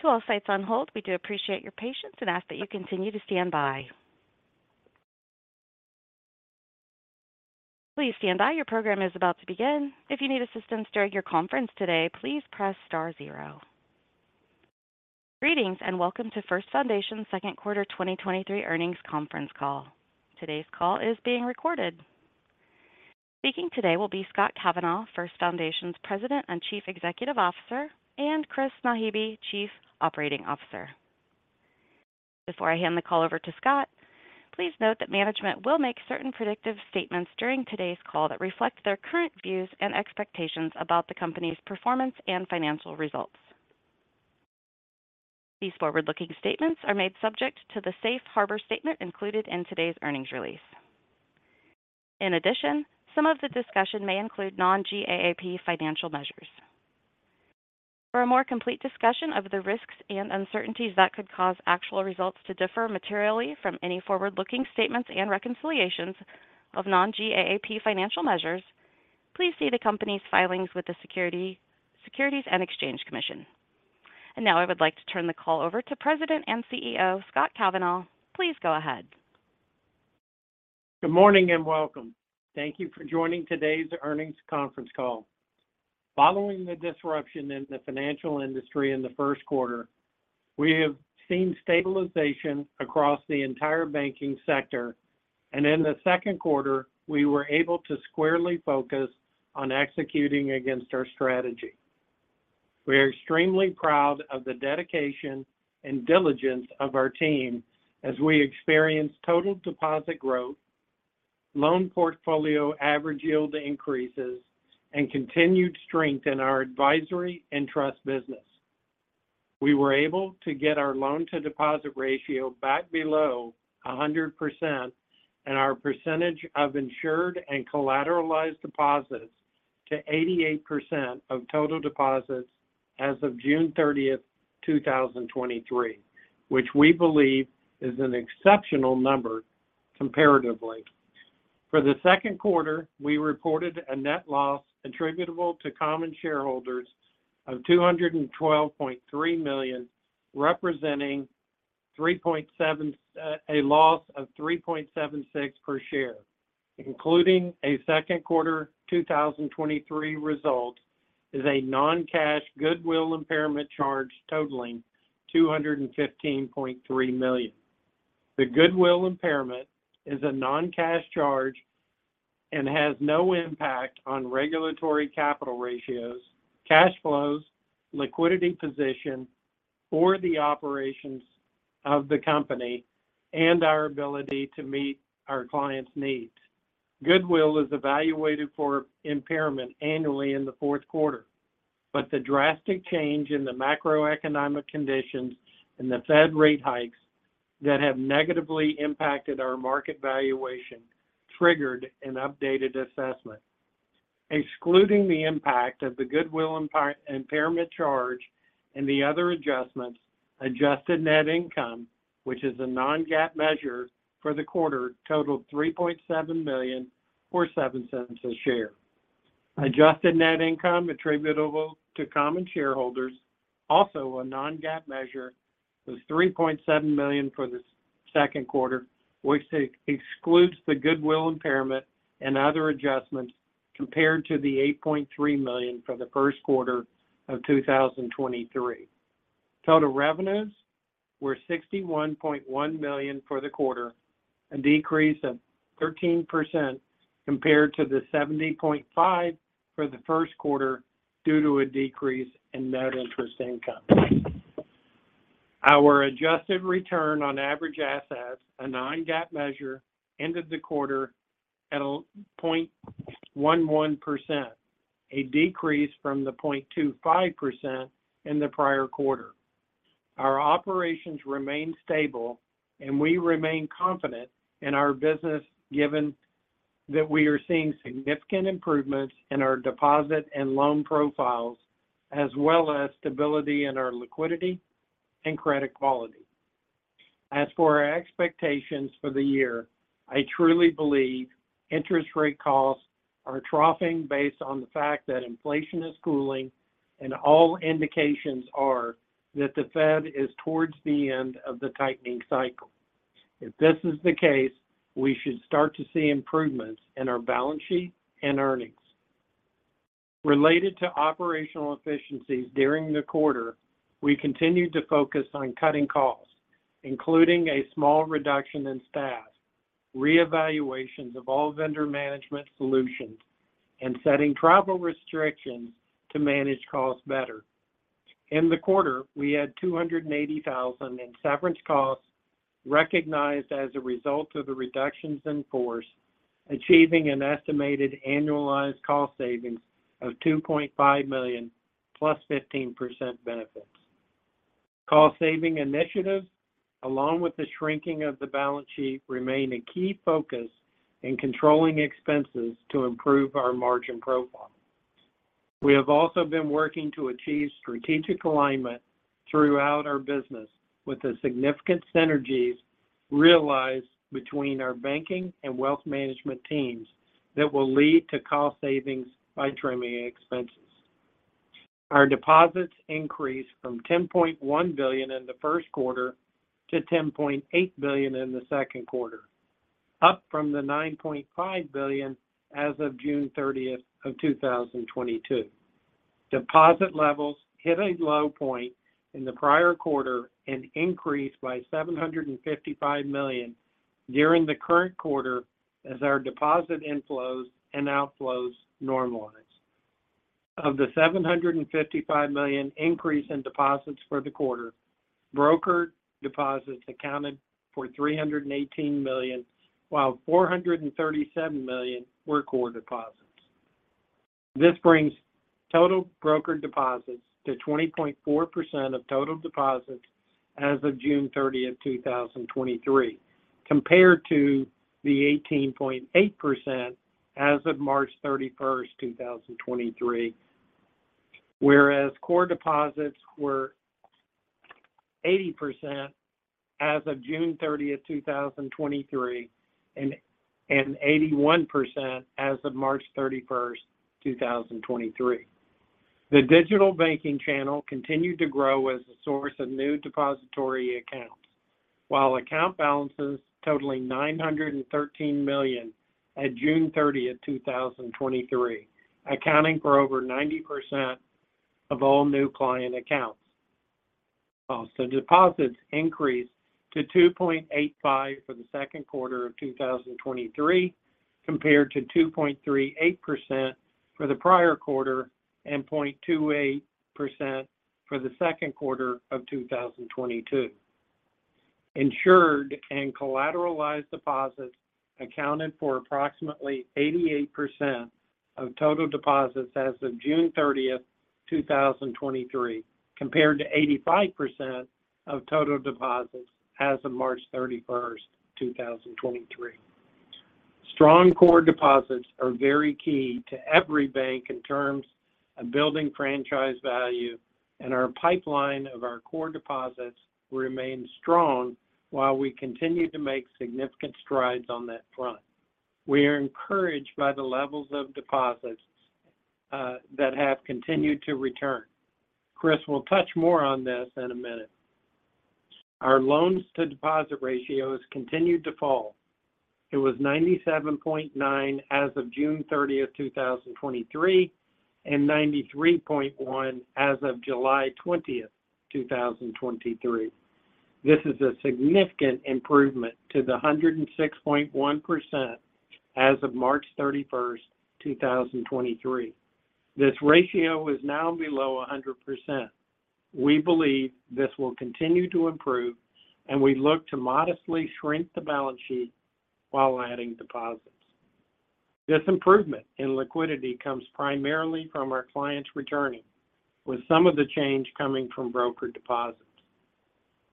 To all sites on hold, we do appreciate your patience and ask that you continue to stand by. Please stand by. Your program is about to begin. If you need assistance during your conference today, please press star zero. Greetings. Welcome to First Foundation's second quarter 2023 earnings conference call. Today's call is being recorded. Speaking today will be Scott Kavanaugh, First Foundation's President and Chief Executive Officer, and Chris Naghibi, Chief Operating Officer. Before I hand the call over to Scott, please note that management will make certain predictive statements during today's call that reflect their current views and expectations about the company's performance and financial results. These forward-looking statements are made subject to the safe harbor statement included in today's earnings release. Some of the discussion may include non-GAAP financial measures. For a more complete discussion of the risks and uncertainties that could cause actual results to differ materially from any forward-looking statements and reconciliations of non-GAAP financial measures, please see the company's filings with the Securities and Exchange Commission. Now I would like to turn the call over to President and CEO, Scott Kavanaugh. Please go ahead. Good morning and welcome. Thank you for joining today's earnings conference call. Following the disruption in the financial industry in the first quarter, we have seen stabilization across the entire banking sector, and in the second quarter, we were able to squarely focus on executing against our strategy. We are extremely proud of the dedication and diligence of our team as we experienced total deposit growth, loan portfolio average yield increases, and continued strength in our advisory and trust business. We were able to get our loan to deposit ratio back below 100% and our percentage of insured and collateralized deposits to 88% of total deposits as of June 30, 2023, which we believe is an exceptional number comparatively. For the second quarter, we reported a net loss attributable to common shareholders of $212.3 million, representing a loss of $3.76 per share, including a second quarter 2023 result is a non-cash goodwill impairment charge totaling $215.3 million. The goodwill impairment is a non-cash charge and has no impact on regulatory capital ratios, cash flows, liquidity position, or the operations of the company and our ability to meet our clients' needs. Goodwill is evaluated for impairment annually in the fourth quarter. The drastic change in the macroeconomic conditions and the Fed rate hikes that have negatively impacted our market valuation triggered an updated assessment. Excluding the impact of the goodwill impairment charge and the other adjustments, adjusted net income, which is a non-GAAP measure for the quarter, totaled $3.7 million, or $0.07 a share. Adjusted net income attributable to common shareholders, also a non-GAAP measure, was $3.7 million for the second quarter, which excludes the goodwill impairment and other adjustments, compared to the $8.3 million for the first quarter of 2023. Total revenues were $61.1 million for the quarter, a decrease of 13% compared to the $70.5 million for the first quarter due to a decrease in net interest income. Our adjusted return on average assets, a non-GAAP measure, ended the quarter at 0.11%, a decrease from the 0.25% in the prior quarter. Our operations remain stable, and we remain confident in our business, given that we are seeing significant improvements in our deposit and loan profiles, as well as stability in our liquidity and credit quality. As for our expectations for the year, I truly believe interest rate costs are troughing based on the fact that inflation is cooling and all indications are that the Fed is towards the end of the tightening cycle. If this is the case, we should start to see improvements in our balance sheet and earnings. Related to operational efficiencies during the quarter, we continued to focus on cutting costs, including a small reduction in staff, reevaluations of all vendor management solutions, and setting travel restrictions to manage costs better. In the quarter, we had $280,000 in severance costs recognized as a result of the reductions in force, achieving an estimated annualized cost savings of $2.5 million plus 15% benefits. Cost saving initiatives, along with the shrinking of the balance sheet, remain a key focus in controlling expenses to improve our margin profile. We have also been working to achieve strategic alignment throughout our business, with the significant synergies realized between our banking and wealth management teams that will lead to cost savings by trimming expenses. Our deposits increased from $10.1 billion in the first quarter to $10.8 billion in the second quarter, up from the $9.5 billion as of June 30th, 2022. Deposit levels hit a low point in the prior quarter and increased by $755 million during the current quarter as our deposit inflows and outflows normalized. Of the $755 million increase in deposits for the quarter, brokered deposits accounted for $318 million, while $437 million were core deposits. This brings total brokered deposits to 20.4% of total deposits as of June 30, 2023, compared to the 18.8% as of March 31, 2023. Whereas core deposits were 80% as of June 30, 2023, and 81% as of March 31, 2023. The digital banking channel continued to grow as a source of new depository accounts, while account balances totaling $913 million at June 30, 2023, accounting for over 90% of all new client accounts. Also, deposits increased to 2.85% for the second quarter of 2023, compared to 2.38% for the prior quarter and 0.28% for the second quarter of 2022. Insured and collateralized deposits accounted for approximately 88% of total deposits as of June 30, 2023, compared to 85% of total deposits as of March 31, 2023. Strong core deposits are very key to every bank in terms of building franchise value, and our pipeline of our core deposits remains strong while we continue to make significant strides on that front. We are encouraged by the levels of deposits that have continued to return. Chris will touch more on this in a minute. Our loans to deposit ratios continued to fall. It was 97.9 as of June 30, 2023, and 93.1 as of July 20, 2023. This is a significant improvement to the 106.1% as of March 31, 2023. This ratio is now below a 100%. We believe this will continue to improve, and we look to modestly shrink the balance sheet while adding deposits. This improvement in liquidity comes primarily from our clients returning, with some of the change coming from brokered deposits.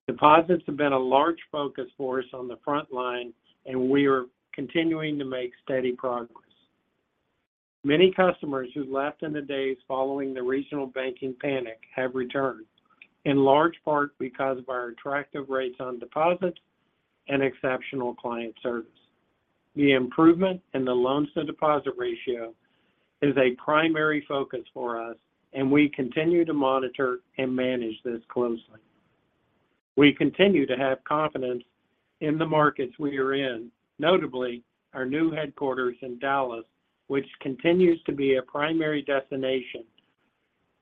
Deposits have been a large focus for us on the front line, and we are continuing to make steady progress. Many customers who left in the days following the regional banking panic have returned, in large part because of our attractive rates on deposits and exceptional client service. The improvement in the loans to deposit ratio is a primary focus for us, and we continue to monitor and manage this closely. We continue to have confidence in the markets we are in, notably our new headquarters in Dallas, which continues to be a primary destination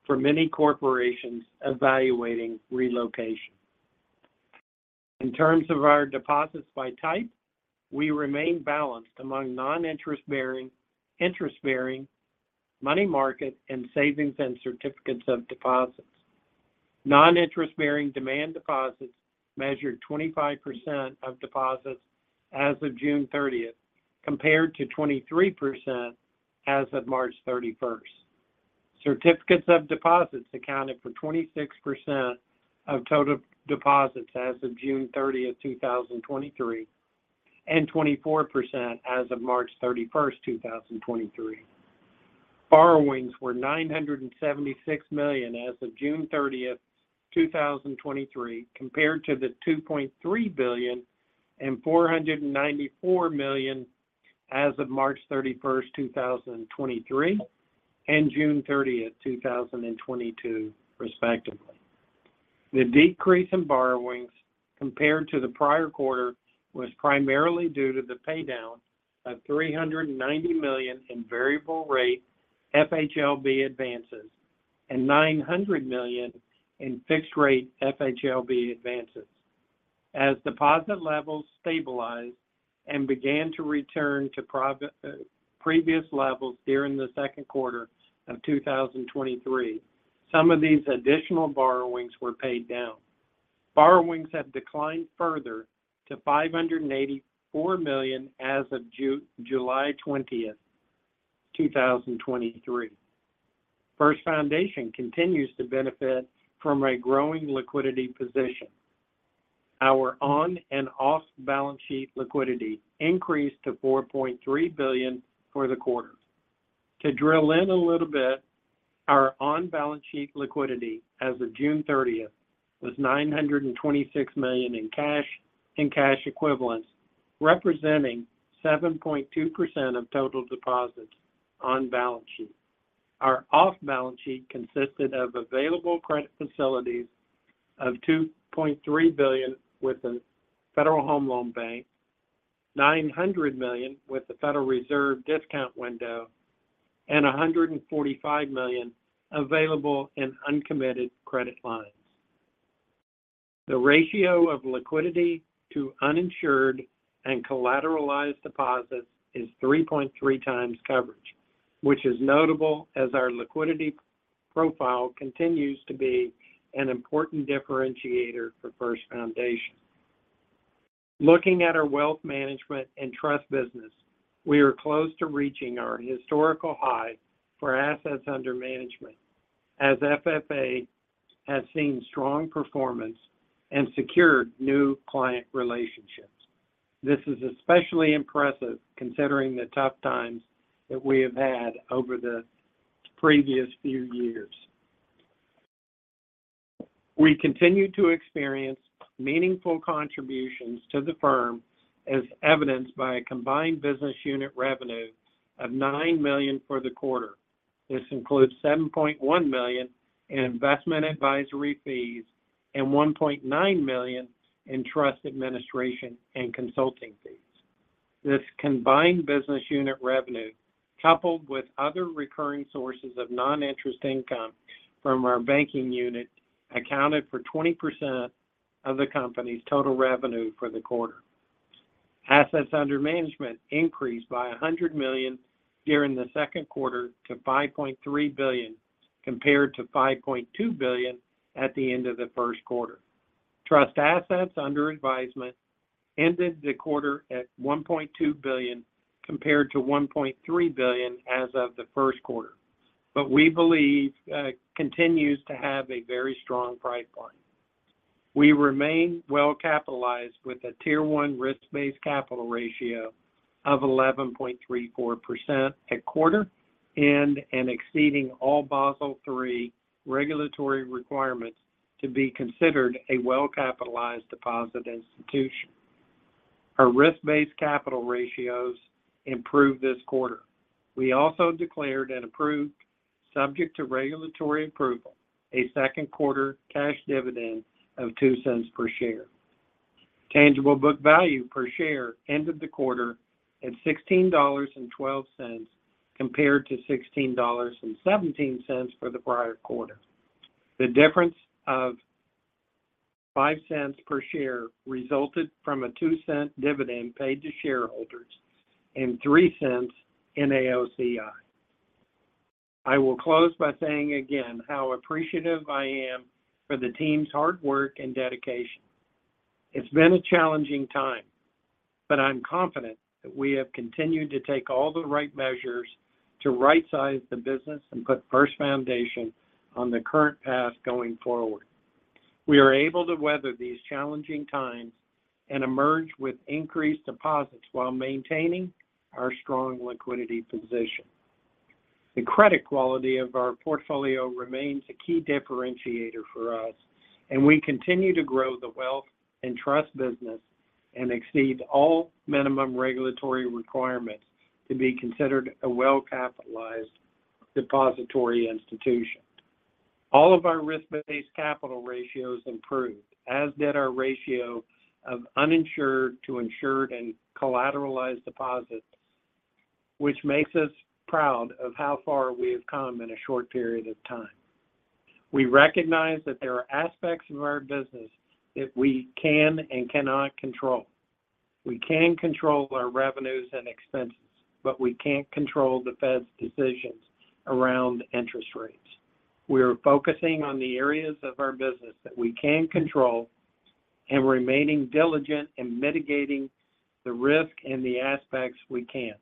for many corporations evaluating relocation. In terms of our deposits by type, we remain balanced among non-interest bearing, interest bearing, money market, and savings and certificates of deposits. Non-interest bearing demand deposits measured 25% of deposits as of June 30th, compared to 23% as of March 31st. Certificates of deposits accounted for 26% of total deposits as of June 30th, 2023, and 24% as of March 31st, 2023. Borrowings were $976 million as of June 30th, 2023, compared to the $2.3 billion and $494 million as of March 31st, 2023, and June 30th, 2022 respectively. The decrease in borrowings compared to the prior quarter was primarily due to the paydown of $390 million in variable rate FHLB advances and $900 million in fixed-rate FHLB advances. As deposit levels stabilized and began to return to previous levels during the second quarter of 2023, some of these additional borrowings were paid down. Borrowings have declined further to $584 million as of July 20th, 2023. First Foundation continues to benefit from a growing liquidity position. Our on and off-balance sheet liquidity increased to $4.3 billion for the quarter. To drill in a little bit, our on-balance sheet liquidity as of June 30th was $926 million in cash and cash equivalents, representing 7.2% of total deposits on balance sheet. Our off-balance sheet consisted of available credit facilities of $2.3 billion with the Federal Home Loan Bank, $900 million with the Federal Reserve discount window, and $145 million available in uncommitted credit lines. The ratio of liquidity to uninsured and collateralized deposits is 3.3x coverage, which is notable as our liquidity profile continues to be an important differentiator for First Foundation. Looking at our wealth management and trust business, we are close to reaching our historical high for assets under management, as FFA has seen strong performance and secured new client relationships. This is especially impressive considering the tough times that we have had over the previous few years. We continue to experience meaningful contributions to the firm, as evidenced by a combined business unit revenue of $9 million for the quarter. This includes $7.1 million in investment advisory fees and $1.9 million in trust administration and consulting fees. This combined business unit revenue, coupled with other recurring sources of non-interest income from our banking unit, accounted for 20% of the company's total revenue for the quarter. Assets under management increased by $100 million during the second quarter to $5.3 billion, compared to $5.2 billion at the end of the first quarter. Trust assets under advisement ended the quarter at $1.2 billion, compared to $1.3 billion as of the first quarter, but we believe, continues to have a very strong price line. We remain well capitalized with a Tier 1 risk-based capital ratio of 11.34% at quarter end and exceeding all Basel III regulatory requirements to be considered a well-capitalized deposit institution. Our risk-based capital ratios improved this quarter. We also declared and approved, subject to regulatory approval, a second quarter cash dividend of $0.02 per share. Tangible book value per share ended the quarter at $16.12, compared to $16.17 for the prior quarter. The difference of $0.05 per share resulted from a $0.02 dividend paid to shareholders and $0.03 in AOCI. I will close by saying again, how appreciative I am for the team's hard work and dedication. It's been a challenging time, but I'm confident that we have continued to take all the right measures to right-size the business and put First Foundation on the current path going forward. We are able to weather these challenging times and emerge with increased deposits while maintaining our strong liquidity position. The credit quality of our portfolio remains a key differentiator for us. We continue to grow the wealth and trust business and exceed all minimum regulatory requirements to be considered a well-capitalized depository institution. All of our risk-based capital ratios improved, as did our ratio of uninsured to insured and collateralized deposits, which makes us proud of how far we have come in a short period of time. We recognize that there are aspects of our business that we can and cannot control. We can control our revenues and expenses, but we can't control the Fed's decisions around interest rates. We are focusing on the areas of our business that we can control and remaining diligent in mitigating the risk and the aspects we can't.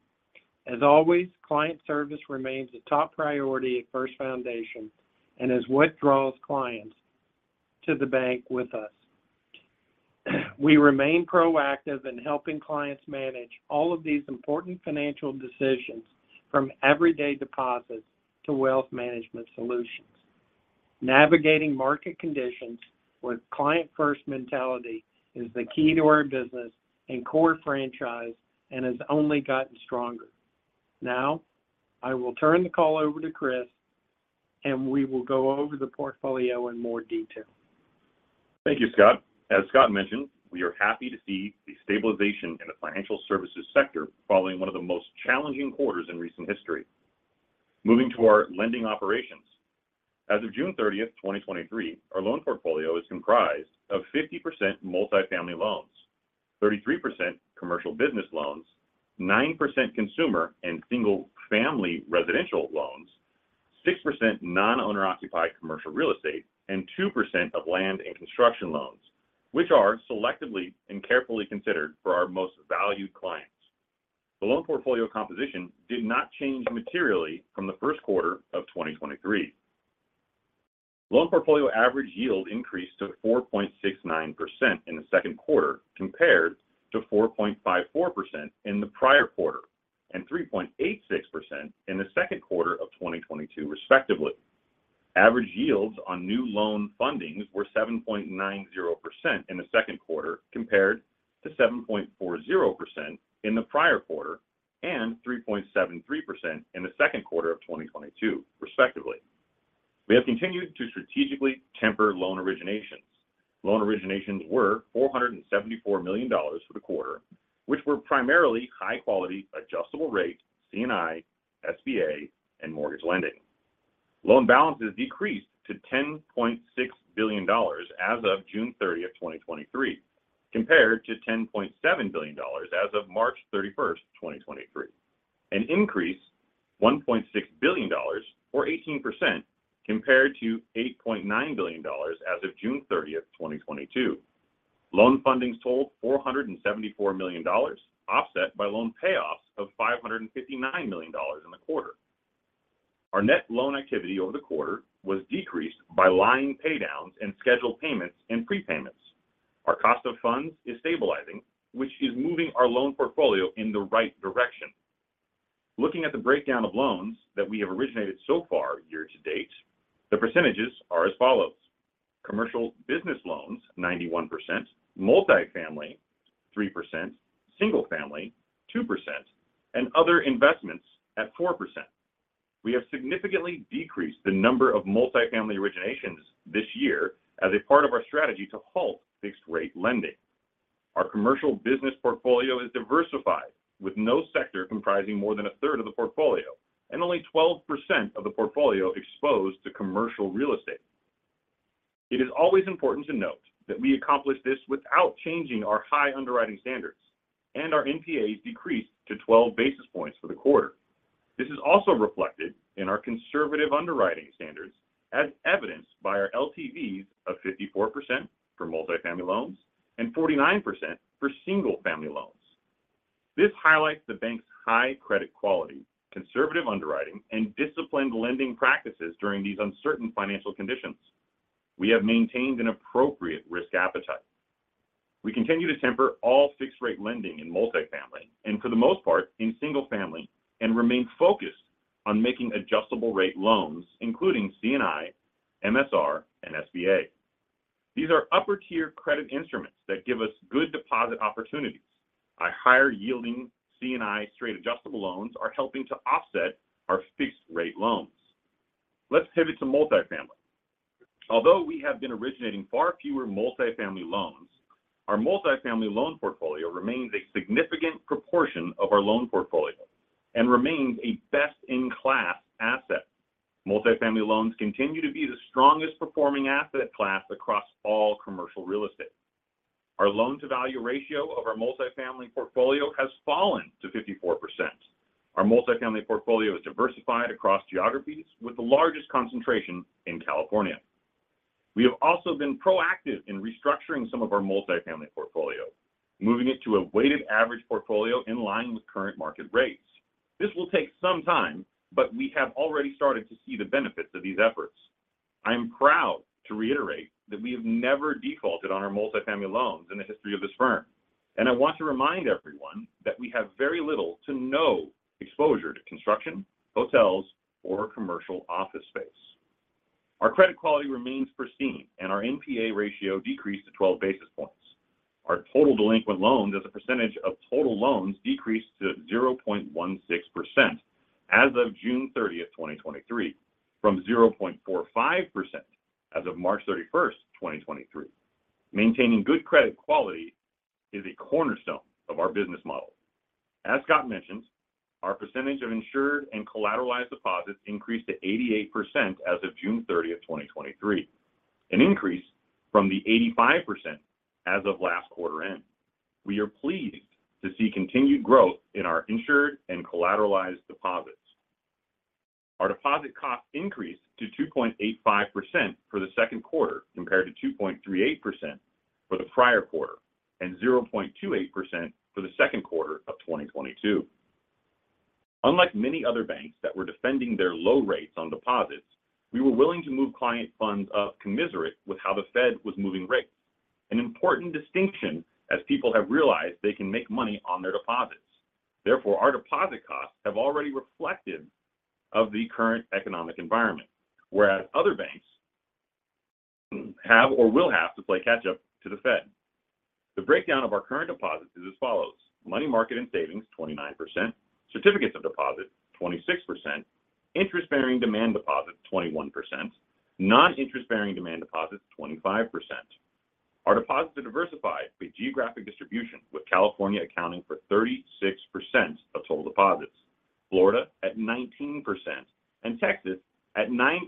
As always, client service remains a top priority at First Foundation and is what draws clients to the bank with us. We remain proactive in helping clients manage all of these important financial decisions, from everyday deposits to wealth management solutions. Navigating market conditions with client-first mentality is the key to our business and core franchise, and has only gotten stronger. Now, I will turn the call over to Chris, and we will go over the portfolio in more detail. Thank you, Scott. As Scott mentioned, we are happy to see the stabilization in the financial services sector following one of the most challenging quarters in recent history. Moving to our lending operations. As of June 30, 2023, our loan portfolio is comprised of 50% multifamily loans, 33% commercial business loans, 9% consumer and single-family residential loans, 6% non-owner-occupied commercial real estate, and 2% of land and construction loans, which are selectively and carefully considered for our most valued clients. The loan portfolio composition did not change materially from the first quarter of 2023. Loan portfolio average yield increased to 4.69% in the second quarter, compared to 4.54% in the prior quarter and 3.86% in the second quarter of 2022, respectively. Average yields on new loan fundings were 7.90% in the second quarter, compared to 7.40% in the prior quarter and 3.73% in the second quarter of 2022, respectively. We have continued to strategically temper loan originations. Loan originations were $474 million for the quarter, which were primarily high-quality adjustable rate, C&I, SBA, and mortgage lending. Loan balances decreased to $10.6 billion as of June 30, 2023, compared to $10.7 billion as of March 31, 2023, an increase $1.6 billion or 18% compared to $8.9 billion as of June 30, 2022. Loan fundings totaled $474 million, offset by loan payoffs of $559 million in the quarter. Our net loan activity over the quarter was decreased by line pay downs and scheduled payments and prepayments. Our cost of funds is stabilizing, which is moving our loan portfolio in the right direction. Looking at the breakdown of loans that we have originated so far year to date, the percentages are as follows: commercial business loans, 91%; multifamily, 3%; single-family, 2%; and other investments at 4%. We have significantly decreased the number of multifamily originations this year as a part of our strategy to halt fixed-rate lending. Our commercial business portfolio is diversified, with no sector comprising more than a third of the portfolio and only 12% of the portfolio exposed to commercial real estate. It is always important to note that we accomplished this without changing our high underwriting standards, and our NPAs decreased to 12 bps for the quarter. This is also reflected in our conservative underwriting standards, as evidenced by our LTVs of 54% for multifamily loans and 49% for single-family loans. This highlights the bank's high credit quality, conservative underwriting, and disciplined lending practices during these uncertain financial conditions. We have maintained an appropriate risk appetite. We continue to temper all fixed-rate lending in multifamily and, for the most part, in single family, and remain focused on making adjustable-rate loans, including C&I, MSR, and SBA. These are upper-tier credit instruments that give us good deposit opportunities. Our higher-yielding C&I straight adjustable loans are helping to offset our fixed-rate loans. Let's pivot to multifamily. Although we have been originating far fewer multifamily loans, our multifamily loan portfolio remains a significant proportion of our loan portfolio and remains a best-in-class asset. Multifamily loans continue to be the strongest performing asset class across all commercial real estate. Our Loan-to-Value ratio of our multifamily portfolio has fallen to 54%. Our multifamily portfolio is diversified across geographies, with the largest concentration in California. We have also been proactive in restructuring some of our multifamily portfolio, moving it to a weighted average portfolio in line with current market rates. This will take some time, but we have already started to see the benefits of these efforts. I am proud to reiterate that we have never defaulted on our multifamily loans in the history of this firm, and I want to remind everyone that we have very little to no exposure to construction, hotels, or commercial office space. Our credit quality remains pristine, and our NPA ratio decreased to 12 bps. Our total delinquent loans as a percentage of total loans decreased to 0.16% as of June 30, 2023, from 0.45% as of March 31, 2023. Maintaining good credit quality is a cornerstone of our business model. As Scott mentioned, our percentage of insured and collateralized deposits increased to 88% as of June 30, 2023, an increase from the 85% as of last quarter end. We are pleased to see continued growth in our insured and collateralized deposits. Our deposit costs increased to 2.85% for the second quarter, compared to 2.38% for the prior quarter and 0.28% for the second quarter of 2022. Unlike many other banks that were defending their low rates on deposits, we were willing to move client funds up commensurate with how the Fed was moving rates. An important distinction as people have realized they can make money on their deposits. Our deposit costs have already reflected of the current economic environment, whereas other banks have or will have to play catch-up to the Fed. The breakdown of our current deposits is as follows: money market and savings, 29%; certificates of deposit, 26%; interest-bearing demand deposits, 21%; non-interest-bearing demand deposits, 25%. Our deposits are diversified by geographic distribution, with California accounting for 36% of total deposits, Florida at 19%, and Texas at 9%,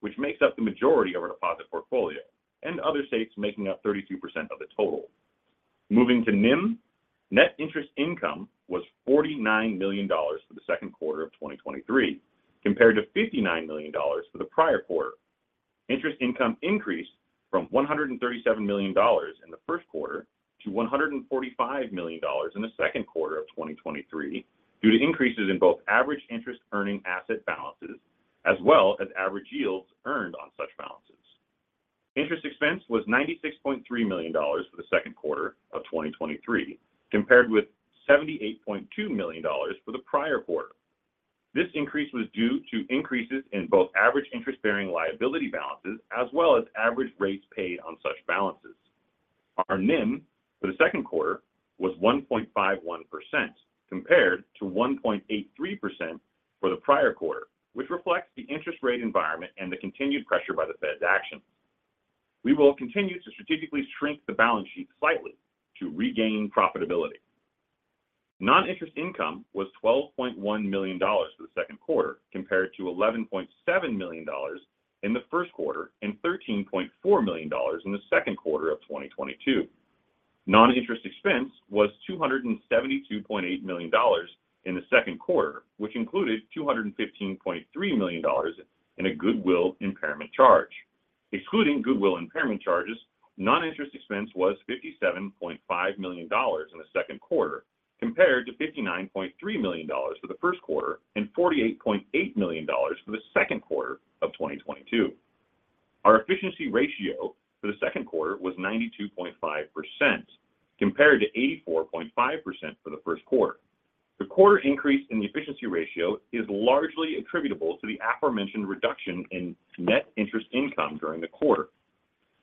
which makes up the majority of our deposit portfolio, and other states making up 32% of the total. Moving to NIM, net interest income was $49 million for the second quarter of 2023, compared to $59 million for the prior quarter. Interest income increased from $137 million in the first quarter to $145 million in the second quarter of 2023, due to increases in both average interest-earning asset balances, as well as average yields earned on such balances. Interest expense was $96.3 million for the second quarter of 2023, compared with $78.2 million for the prior quarter. This increase was due to increases in both average interest-bearing liability balances, as well as average rates paid on such balances. Our NIM for the second quarter was 1.51%, compared to 1.83% for the prior quarter, which reflects the interest rate environment and the continued pressure by the Fed's actions. We will continue to strategically shrink the balance sheet slightly to regain profitability. Non-interest income was $12.1 million for the second quarter, compared to $11.7 million in the first quarter and $13.4 million in the second quarter of 2022. Non-interest expense was $272.8 million in the second quarter, which included $215.3 million in a goodwill impairment charge. Excluding goodwill impairment charges, non-interest expense was $57.5 million in the second quarter, compared to $59.3 million for the first quarter and $48.8 million for the second quarter of 2022. Our efficiency ratio for the second quarter was 92.5%, compared to 84.5% for the first quarter. The quarter increase in the efficiency ratio is largely attributable to the aforementioned reduction in net interest income during the quarter,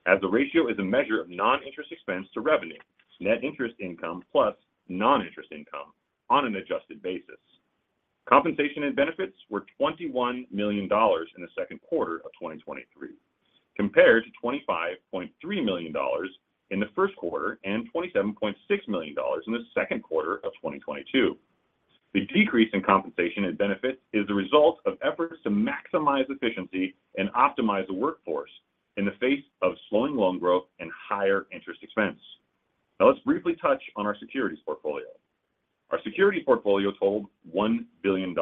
as the ratio is a measure of non-interest expense to revenue, net interest income, plus non-interest income on an adjusted basis. Compensation and benefits were $21 million in the second quarter of 2023, compared to $25.3 million in the first quarter and $27.6 million in the second quarter of 2022. The decrease in compensation and benefits is the result of efforts to maximize efficiency and optimize the workforce in the face of slowing loan growth and higher interest expense. Now let's briefly touch on our securities portfolio. Our security portfolio totalled $1 billion,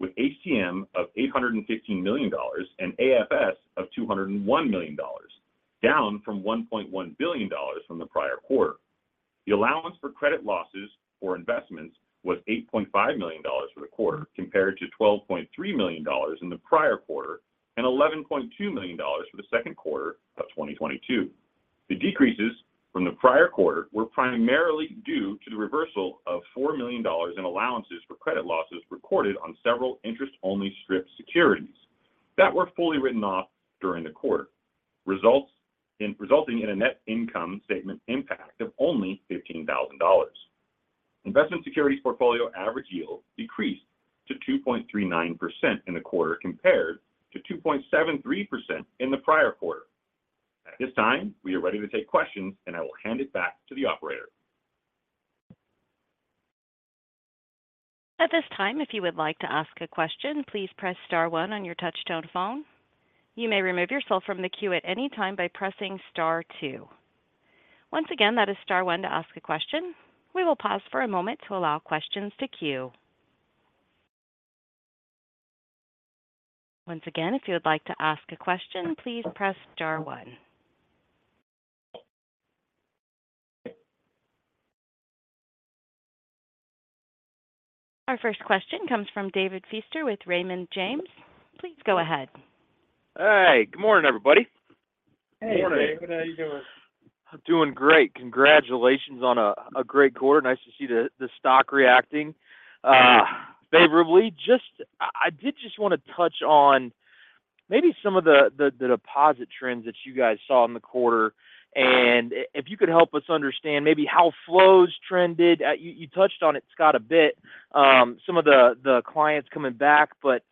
with HTM of $815 million and AFS of $201 million, down from $1.1 billion from the prior quarter. The allowance for credit losses for investments was $8.5 million for the quarter, compared to $12.3 million in the prior quarter and $11.2 million for the second quarter of 2022. The decreases from the prior quarter were primarily due to the reversal of $4 million in allowances for credit losses recorded on several interest-only strip securities that were fully written off during the quarter, resulting in a net income statement impact of only $15,000. Investment securities portfolio average yield decreased to 2.39% in the quarter, compared to 2.73% in the prior quarter. At this time, we are ready to take questions. I will hand it back to the operator. At this time, if you would like to ask a question, please press star one on your touchtone phone. You may remove yourself from the queue at any time by pressing star two. Once again, that is star one to ask a question. We will pause for a moment to allow questions to queue. Once again, if you would like to ask a question, please press star one. Our first question comes from David Feaster with Raymond James. Please go ahead. Hey, good morning, everybody. Hey, David. How are you doing? I'm doing great. Congratulations on a great quarter. Nice to see the stock reacting favorably. Just I did just want to touch on maybe some of the deposit trends that you guys saw in the quarter, and if you could help us understand maybe how flows trended. You touched on it, Scott, a bit, some of the clients coming back, but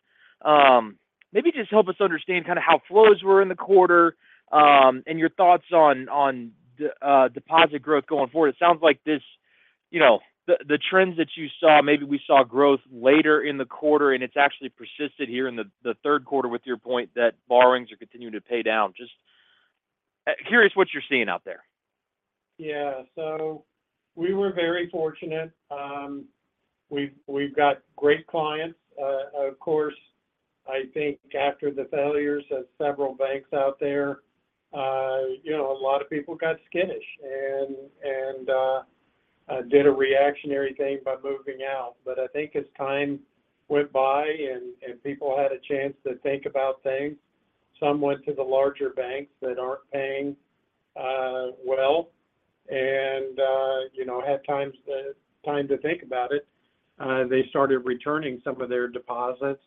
maybe just help us understand kind of how flows were in the quarter, and your thoughts on the deposit growth going forward. It sounds like this, you know, the trends that you saw, maybe we saw growth later in the quarter, and it's actually persisted here in the third quarter with your point that borrowings are continuing to pay down. Just curious what you're seeing out there. Yeah. We were very fortunate. We've got great clients. Of course, I think after the failures of several banks out there, you know, a lot of people got skittish and did a reactionary thing by moving out. I think as time went by and people had a chance to think about things, some went to the larger banks that aren't paying well, and you know, had time to think about it. They started returning some of their deposits.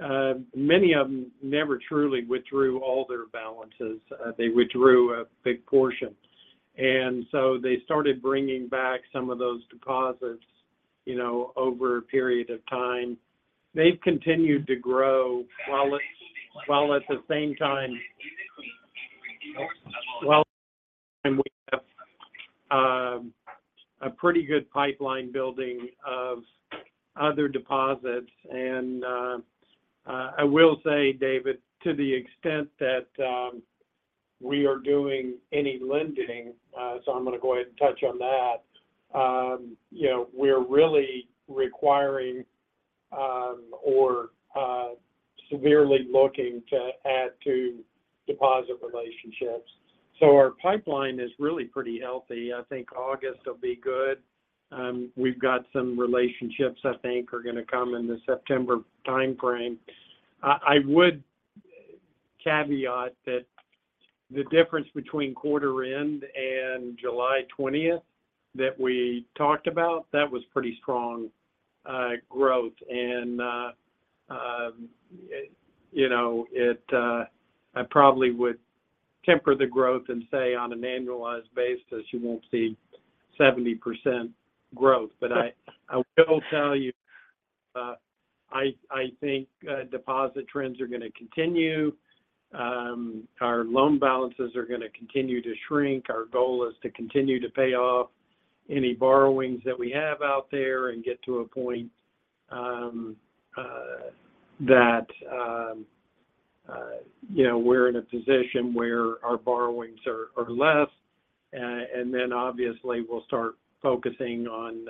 Many of them never truly withdrew all their balances. They withdrew a big portion, they started bringing back some of those deposits, you know, over a period of time. They've continued to grow while at the same time- Well... a pretty good pipeline building of other deposits. I will say, David, to the extent that we are doing any lending, so I'm going to go ahead and touch on that. You know, we're really or severely looking to add to deposit relationships. Our pipeline is really pretty healthy. I think August will be good. We've got some relationships I think are gonna come in the September time frame. I would caveat that the difference between quarter end and July 20th that we talked about, that was pretty strong growth. You know, it, I probably would temper the growth and say on an annualized basis, you won't see 70% growth. I will tell you, I think deposit trends are going to continue. Our loan balances are going to continue to shrink. Our goal is to continue to pay off any borrowings that we have out there and get to a point that, you know, we're in a position where our borrowings are less. Obviously, we'll start focusing on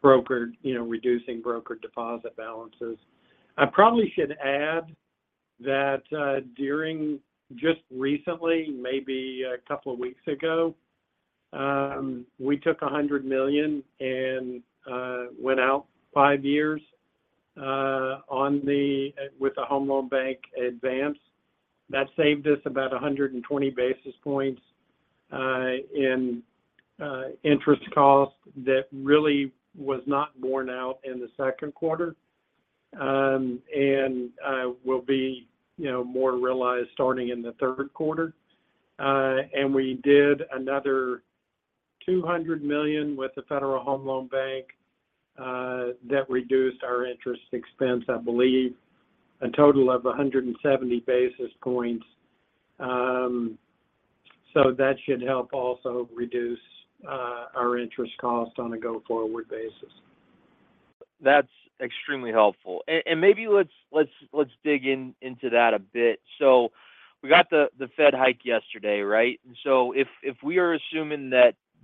broker, you know, reducing broker deposit balances. I probably should add that during just recently, maybe a couple of weeks ago, we took $100 million and went out 5 years with the Home Loan Bank advance. That saved us about 120 bps in interest cost that really was not borne out in the second quarter. Will be, you know, more realized starting in the third quarter. We did another $200 million with the Federal Home Loan Bank that reduced our interest expense, I believe, a total of 170 bps. That should help also reduce our interest cost on a go-forward basis. That's extremely helpful. Maybe let's dig into that a bit. We got the Fed hike yesterday, right? If we are assuming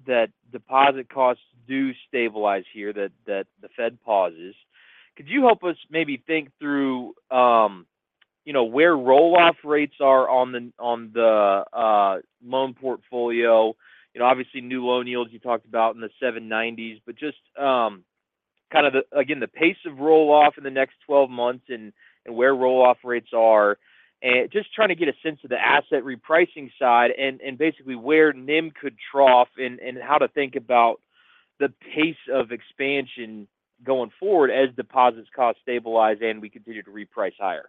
that deposit costs do stabilize here, that the Fed pauses, could you help us maybe think through, you know, where roll-off rates are on the loan portfolio? You know, obviously, new loan yields you talked about in the seven nineties, but just kind of again, the pace of roll-off in the next 12 months and where roll-off rates are. Just trying to get a sense of the asset repricing side and basically where NIM could trough and how to think about the pace of expansion going forward as deposits costs stabilize, and we continue to reprice higher.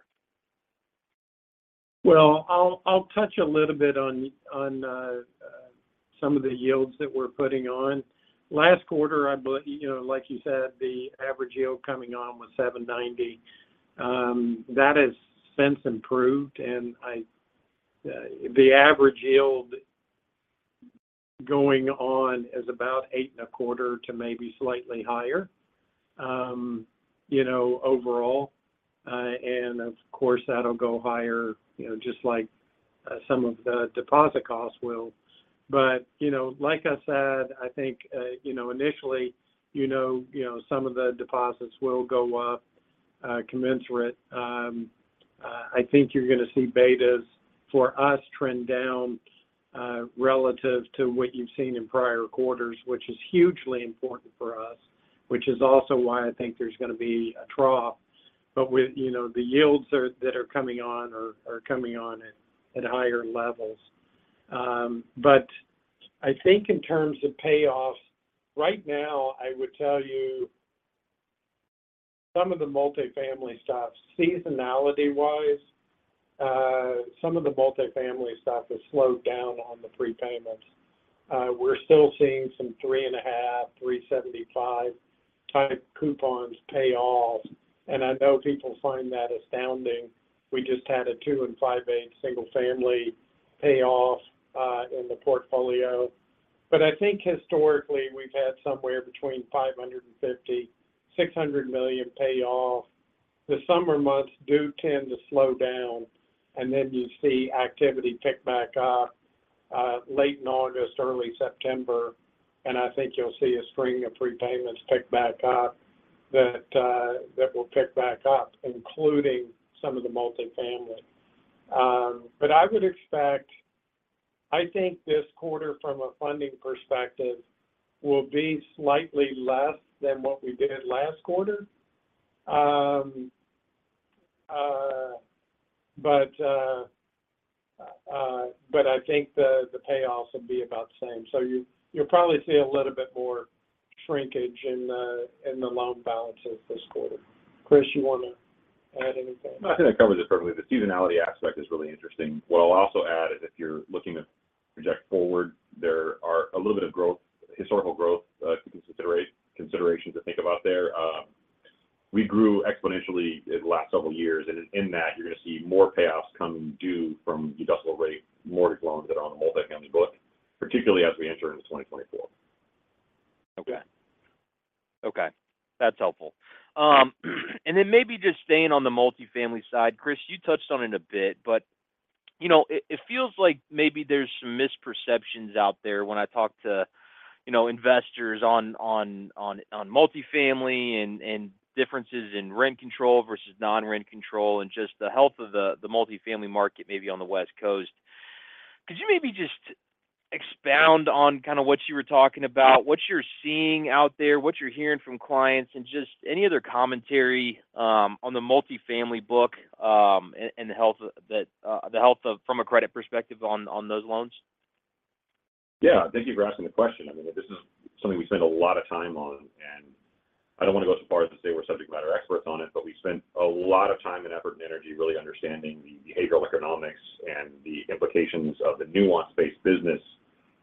Well, I'll touch a little bit on some of the yields that we're putting on. Last quarter, you know, like you said, the average yield coming on was 7.90. That has since improved, the average yield going on is about 8.25 to maybe slightly higher, you know, overall. Of course, that'll go higher, you know, just like some of the deposit costs will. You know, like I said, I think, you know, initially, some of the deposits will go up, commensurate. I think you're going to see betas for us trend down relative to what you've seen in prior quarters, which is hugely important for us, which is also why I think there's going to be a trough. With, you know, the yields that are coming on are coming on at higher levels. I think in terms of payoffs, right now, I would tell you some of the multifamily stuff, seasonality-wise, some of the multifamily stuff has slowed down on the prepayments. We're still seeing some 3.5, 3.75 type coupons pay off. I know people find that astounding. We just had a 2.625 single-family payoff in the portfolio. I think historically, we've had somewhere between $550 million-$600 million pay off. The summer months do tend to slow down. Then you see activity pick back up late in August, early September. I think you'll see a string of prepayments pick back up that will pick back up, including some of the multifamily. I would expect... I think this quarter, from a funding perspective, will be slightly less than what we did last quarter. I think the payoffs will be about the same. You'll probably see a little bit more shrinkage in the loan balances this quarter. Chris, you want to add anything? I think that covers it perfectly. The seasonality aspect is really interesting. What I'll also add is if you're looking to project forward, there are a little bit of growth, historical growth, consideration to think about there. We grew exponentially in the last several years, in that, you're going to see more payoffs coming due from the decimal rate mortgage loans that are on the multifamily book, particularly as we enter into 2024. Okay. Okay, that's helpful. Then maybe just staying on the multifamily side, Chris, you touched on it a bit.... you know, it feels like maybe there's some misperceptions out there when I talk to, you know, investors on multifamily and differences in rent control versus non-rent control and just the health of the multifamily market maybe on the West Coast. Could you maybe just expound on kind of what you were talking about, what you're seeing out there, what you're hearing from clients, and just any other commentary on the multifamily book and the health of that, the health of from a credit perspective on those loans? Yeah. Thank you for asking the question. I mean, this is something we spend a lot of time on, and I don't wanna go so far as to say we're subject matter experts on it, but we spend a lot of time, and effort, and energy really understanding the behavioral economics and the implications of the nuance-based business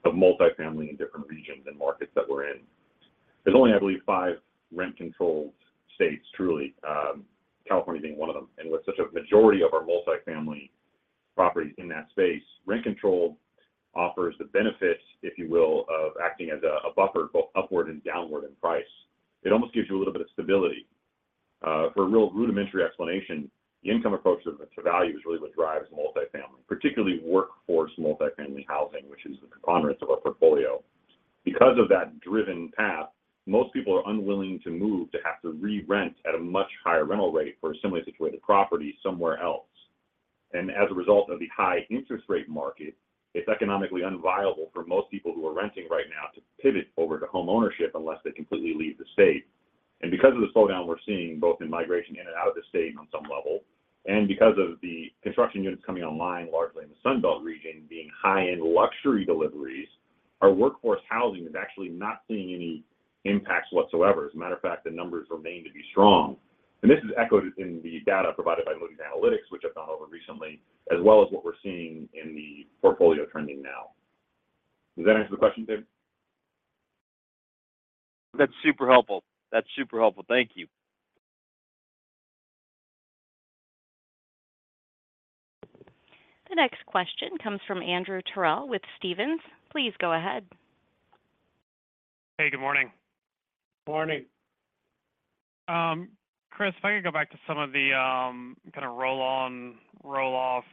of multifamily in different regions and markets that we're in. There's only, I believe, five rent-controlled states, truly, California being one of them. With such a majority of our multifamily properties in that space, rent control offers the benefits, if you will, of acting as a buffer, both upward and downward in price. It almost gives you a little bit of stability. For a real rudimentary explanation, the income approach to value is really what drives multifamily, particularly workforce multifamily housing, which is the preponderance of our portfolio. Because of that driven path, most people are unwilling to move to have to re-rent at a much higher rental rate for a similarly situated property somewhere else. As a result of the high interest rate market, it's economically unviable for most people who are renting right now to pivot over to homeownership unless they completely leave the state. Because of the slowdown we're seeing, both in migration in and out of the state on some level, and because of the construction units coming online, largely in the Sun Belt region, being high-end luxury deliveries, our workforce housing is actually not seeing any impacts whatsoever. As a matter of fact, the numbers remain to be strong. This is echoed in the data provided by Moody's Analytics, which I've gone over recently, as well as what we're seeing in the portfolio trending now. Does that answer the question, Dave? That's super helpful. Thank you. The next question comes from Andrew Terrell with Stephens. Please go ahead. Hey, good morning. Morning. Chris, if I could go back to some of the kind of roll-on, roll-off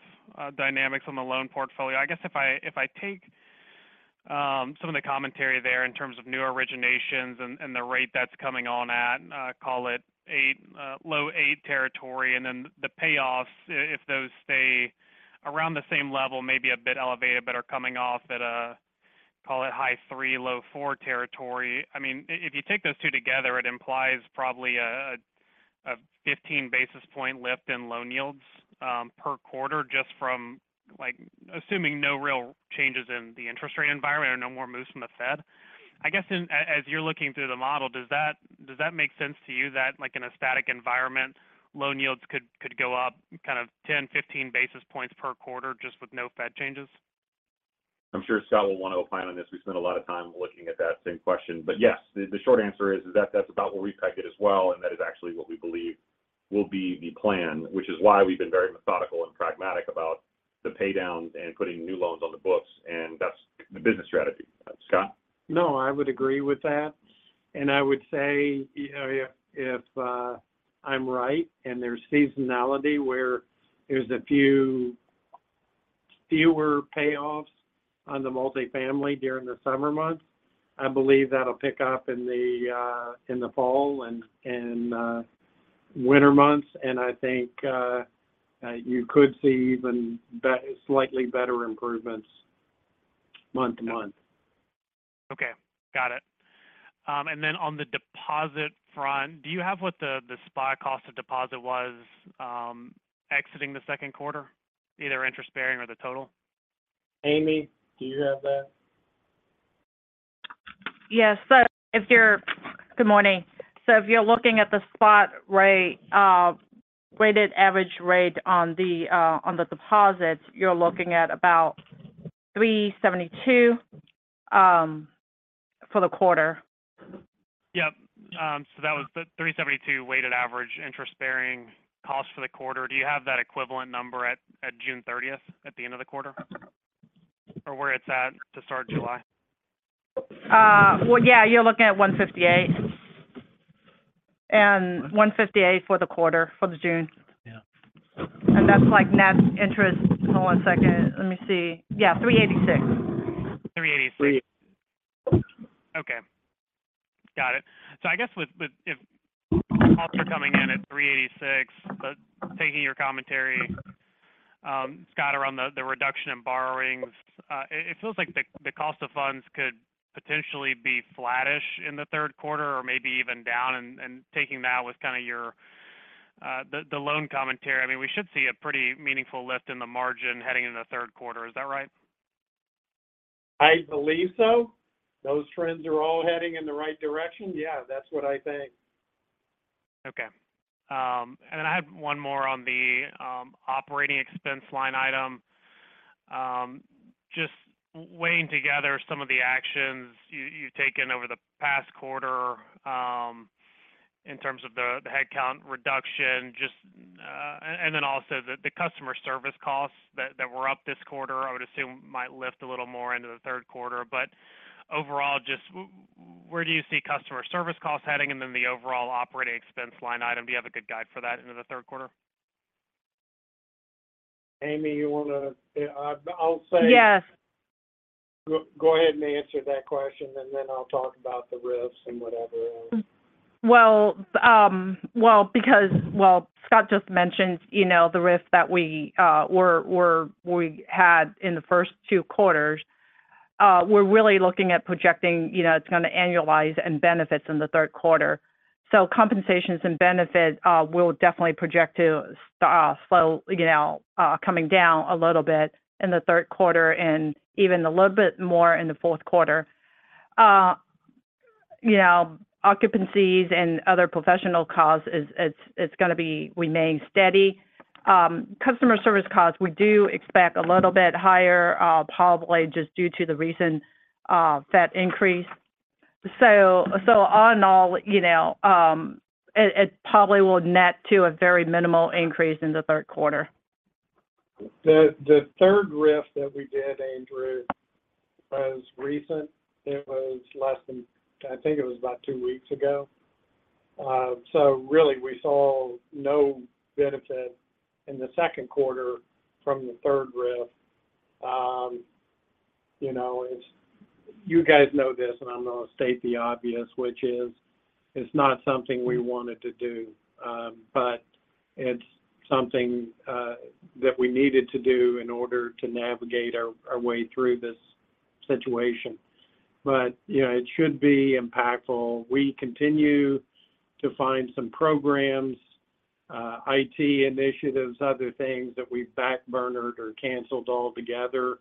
dynamics on the loan portfolio. I guess if I, if I take some of the commentary there in terms of new originations and the rate that's coming on at, and I call it 8, low 8 territory, and then the payoffs, if those stay around the same level, maybe a bit elevated, but are coming off at a, call it high 3, low 4 territory. I mean, if you take those two together, it implies probably a 15 basis point lift in loan yields per quarter, just from like assuming no real changes in the interest rate environment or no more moves from the Fed. I guess as you're looking through the model, does that make sense to you that, like, in a static environment, loan yields could go up kind of 10, 15 bps per quarter just with no Fed changes? I'm sure Scott will want to opine on this. We spent a lot of time looking at that same question. Yes, the short answer is that that's about where we price it as well. That is actually what we believe will be the plan, which is why we've been very methodical and pragmatic about the pay downs and putting new loans on the books. That's the business strategy. Scott? No, I would agree with that. I would say, you know, if I'm right and there's seasonality where there's fewer payoffs on the multifamily during the summer months, I believe that'll pick up in the fall and winter months, and I think you could see even slightly better improvements month to month. Okay. Got it. On the deposit front, do you have what the, the spot cost of deposit was, exiting the second quarter, either interest-bearing or the total? Amy, do you have that? Yes. Good morning. If you're looking at the spot rate, weighted average rate on the deposits, you're looking at about 3.72% for the quarter. Yep. That was the 3.72% weighted average interest bearing cost for the quarter. Do you have that equivalent number at June 30th, at the end of the quarter? Or where it's at to start July? Well, yeah, you're looking at $158. $158 for the quarter, for June. Yeah. That's like net interest. Hold on one second. Let me see. Yeah, 386. $386. Three. Okay. Got it. I guess with, if costs are coming in at $3.86, but taking your commentary, Scott, around the reduction in borrowings, it feels like the cost of funds could potentially be flattish in the 3rd quarter or maybe even down. Taking that with kind of your, the loan commentary, I mean, we should see a pretty meaningful lift in the margin heading into the 3rd quarter. Is that right? I believe so. Those trends are all heading in the right direction. That's what I think. Okay. I have one more on the operating expense line item. Just weighing together some of the actions you've taken over the past quarter, in terms of the headcount reduction, just and then also the customer service costs that were up this quarter, I would assume might lift a little more into the third quarter. Overall, just where do you see customer service costs heading, and then the overall operating expense line item? Do you have a good guide for that into the third quarter? Amy, you wanna, I'll say. Yes. Go ahead and answer that question, and then I'll talk about the risks and whatever else. Well, because, Scott just mentioned, you know, the risks that we had in the first two quarters. We're really looking at projecting, you know, it's gonna annualize and benefits in the third quarter. Compensations and benefits will definitely project to slow, you know, coming down a little bit in the third quarter and even a little bit more in the fourth quarter. You know, occupancies and other professional costs is, it's gonna be remaining steady. Customer service costs, we do expect a little bit higher, probably just due to the recent Fed increase. All in all, you know, it probably will net to a very minimal increase in the third quarter. The third RIF that we did, Andrew, was recent. It was about 2 weeks ago. Really, we saw no benefit in the second quarter from the third RIF. You know, it's. You guys know this, and I'm gonna state the obvious, which is, it's not something we wanted to do, but it's something that we needed to do in order to navigate our way through this situation. You know, it should be impactful. We continue to find some programs, IT initiatives, other things that we've backburnered or canceled altogether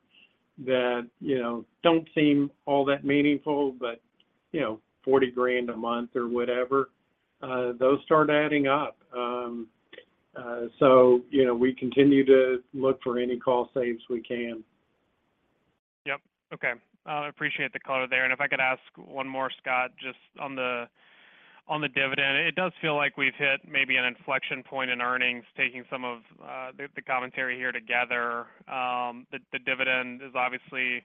that, you know, don't seem all that meaningful, you know, $40,000 a month or whatever, those start adding up. You know, we continue to look for any cost saves we can. Yep. Okay. I appreciate the color there. If I could ask one more, Scott, just on the dividend. It does feel like we've hit maybe an inflection point in earnings, taking some of the commentary here together. The dividend is obviously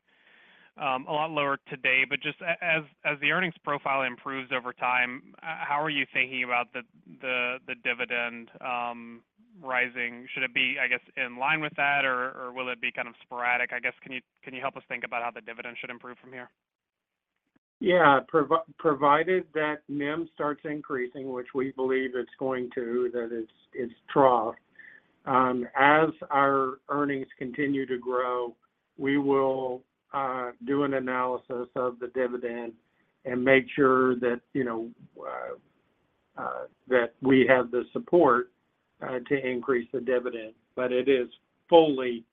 a lot lower today, but just as the earnings profile improves over time, how are you thinking about the dividend rising? Should it be, I guess, in line with that, or will it be kind of sporadic? I guess, can you help us think about how the dividend should improve from here? Yeah. Provided that NIM starts increasing, which we believe it's going to, that it's trough, as our earnings continue to grow, we will do an analysis of the dividend and make sure that, you know, that we have the support to increase the dividend. But it is fully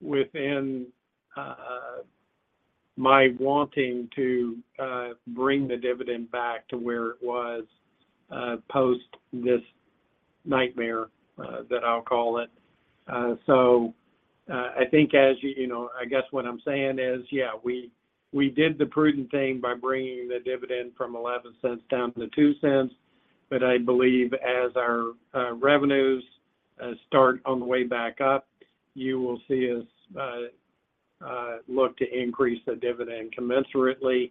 within my wanting to bring the dividend back to where it was post this nightmare that I'll call it. So, I think as you. You know, I guess what I'm saying is, yeah, we did the prudent thing by bringing the dividend from $0.11 down to $0.02, but I believe as our revenues start on the way back up, you will see us look to increase the dividend commensurately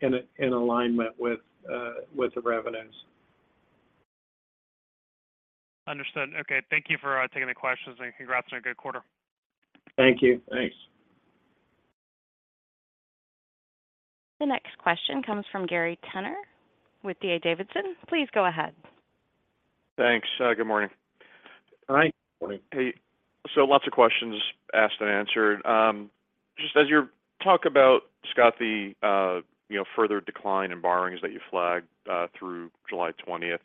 in alignment with the revenues. Understood. Okay, thank you for taking the questions. Congrats on a good quarter. Thank you. Thanks. The next question comes from Gary Tenner with D.A. Davidson. Please go ahead. Thanks. Good morning. Hi. Good morning. Hey, lots of questions asked and answered. Just as you talk about, Scott, you know, further decline in borrowings that you flagged through July 20th,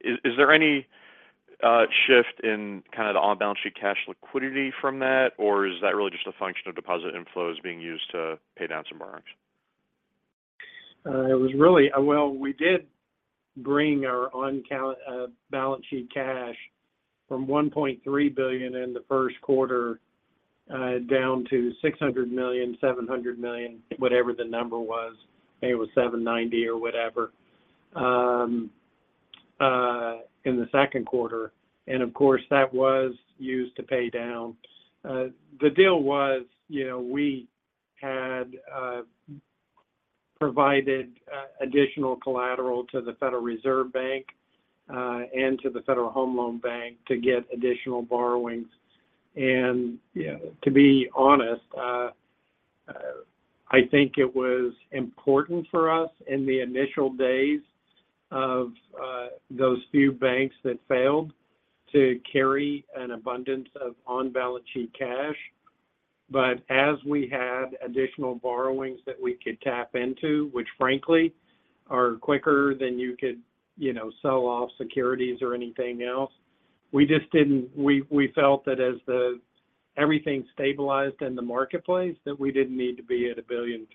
is there any shift in kind of the on-balance sheet cash liquidity from that? Or is that really just a function of deposit inflows being used to pay down some borrowings? It was really... Well, we did bring our on-count balance sheet cash from $1.3 billion in the first quarter down to $600 million, $700 million, whatever the number was, I think it was $790 million or whatever, in the second quarter. Of course, that was used to pay down. The deal was, you know, we had provided additional collateral to the Federal Reserve Bank and to the Federal Home Loan Bank to get additional borrowings. You know, to be honest, I think it was important for us in the initial days of those few banks that failed, to carry an abundance of on-balance sheet cash. As we had additional borrowings that we could tap into, which frankly, are quicker than you could, you know, sell off securities or anything else, we felt that as everything stabilized in the marketplace, that we didn't need to be at $1.3 billion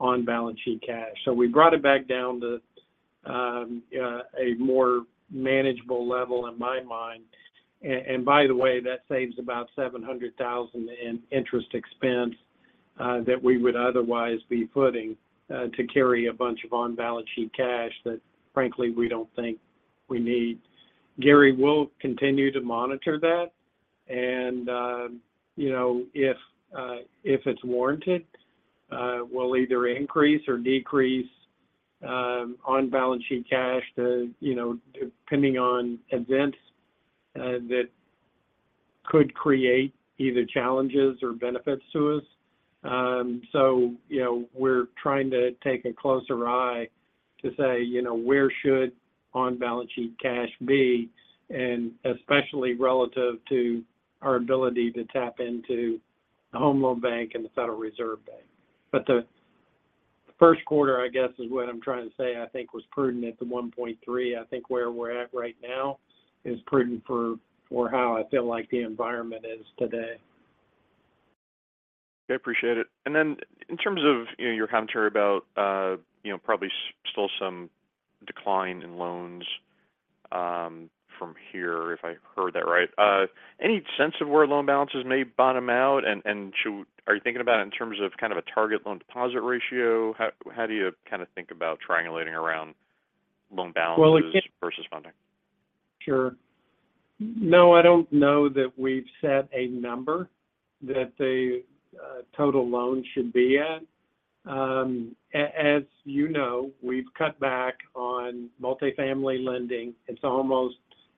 on-balance sheet cash. We brought it back down to a more manageable level in my mind. And by the way, that saves about $700,000 in interest expense that we would otherwise be putting to carry a bunch of on-balance sheet cash that frankly, we don't think we need. Gary, we'll continue to monitor that. You know, if it's warranted, we'll either increase or decrease on-balance sheet cash to, you know, depending on events that could create either challenges or benefits to us. You know, we're trying to take a closer eye to say, you know, where should on-balance sheet cash be? Especially relative to our ability to tap into the Home Loan Bank and the Federal Reserve Bank. The first quarter, I guess, is what I'm trying to say, I think was prudent at the 1.3. I think where we're at right now is prudent for how I feel like the environment is today. I appreciate it. Then in terms of, you know, your commentary about, you know, probably still some decline in loans from here, if I heard that right. Any sense of where loan balances may bottom out? And are you thinking about it in terms of kind of a target loan deposit ratio? How do you kind of think about triangulating around loan balances? Well. versus funding? Sure. No, I don't know that we've set a number that the total loan should be at. As you know, we've cut back on multifamily lending. It's almost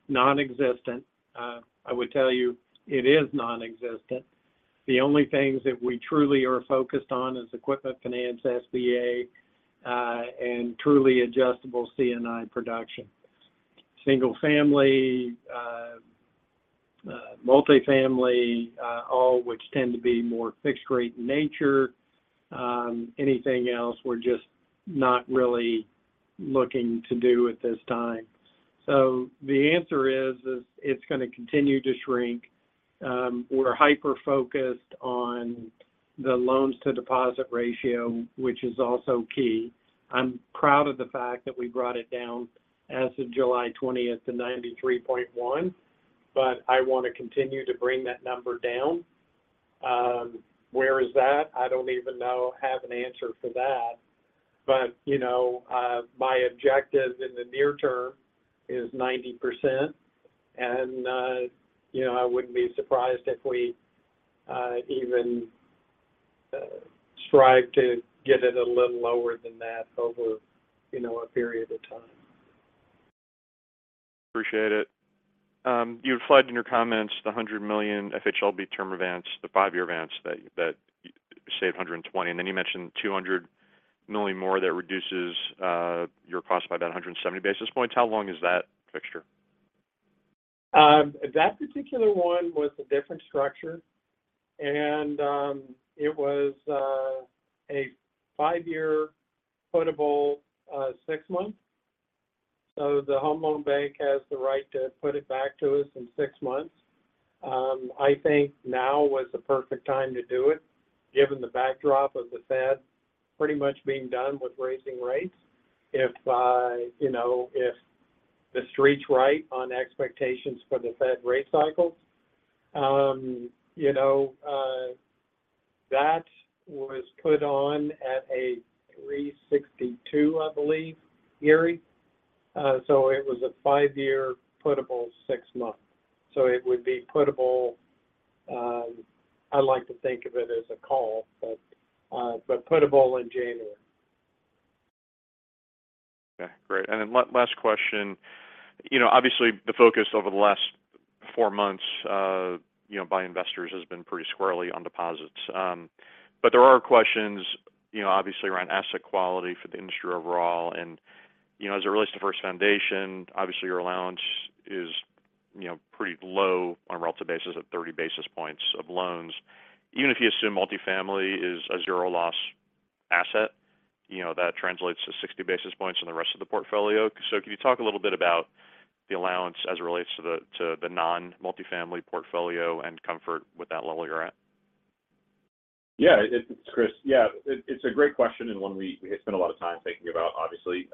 non-existent. I would tell you it is non-existent. The only things that we truly are focused on is equipment finance, SBA, and truly adjustable C&I production. Single family, multifamily, all which tend to be more fixed rate in nature. Anything else, we're just not really looking to do at this time. The answer is, is it's gonna continue to shrink. We're hyper-focused on the loans to deposit ratio, which is also key. I'm proud of the fact that we brought it down as of July 20th to 93.1%. I want to continue to bring that number down. Where is that? I don't even know, have an answer for that. You know, my objective in the near term is 90%, and, you know, I wouldn't be surprised if we, even, strive to get it a little lower than that over, you know, a period of time. Appreciate it. You had flagged in your comments the $100 million FHLB term advance, the 5-year advance, that, that you say 120, and then you mentioned $200 million more that reduces, your cost by about 170 bps. How long is that fixture? That particular one was a different structure, and it was a 5-year puttable 6 months. The Home Loan Bank has the right to put it back to us in 6 months. I think now was the perfect time to do it, given the backdrop of the Fed pretty much being done with raising rates. You know, if the street's right on expectations for the Fed rate cycle, you know, that was put on at a 3.62, I believe, Gary. It was a 5-year puttable 6-month. It would be putttable, I like to think of it as a call, but puttable in January. Okay, great. Last question. you know, obviously, the focus over the last 4 months, you know, by investors has been pretty squarely on deposits. There are questions, you know, obviously around asset quality for the industry overall. you know, as it relates to First Foundation, obviously, your allowance is, you know, pretty low on a relative basis of 30 bps of loans. Even if you assume multifamily is a zero-loss asset, you know, that translates to 60 bps in the rest of the portfolio. Can you talk a little bit about the allowance as it relates to the non-multifamily portfolio and comfort with that level you're at? Yeah, it's Chris. Yeah, it, it's a great question, and one we, we spend a lot of time thinking about. Obviously,